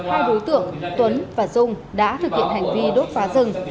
hai đối tượng tuấn và dung đã thực hiện hành vi đốt phá rừng